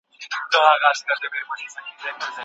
پوهانو سياست پوهنه د علومو ملکه بللې ده.